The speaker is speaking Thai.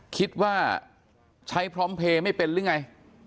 คิดว่าใช้พร้อมเพลย์ไม่เป็นหรือไง